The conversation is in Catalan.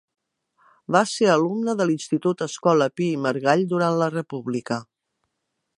Va ser alumne de l'Institut Escola Pi i Margall durant la República.